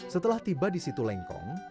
setelah tiba di situ lengkong